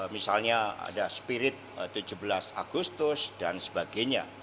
misalnya ada spirit tujuh belas agustus dan sebagainya